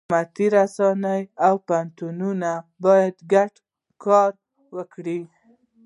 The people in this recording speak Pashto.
حکومت، رسنۍ، او پوهنتونونه باید ګډ کار وکړي.